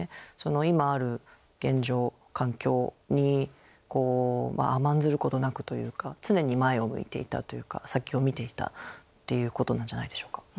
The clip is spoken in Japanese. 今ある現状環境に甘んずることなくというか常に前を向いていたというか先を見ていたっていうことなんじゃないでしょうか。